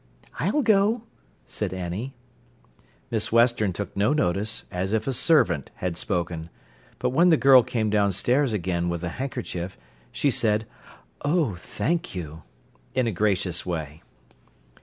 "I'll go," said Annie. Miss Western took no notice, as if a servant had spoken. But when the girl came downstairs again with the handkerchief, she said: "Oh, thank you!" in a gracious way.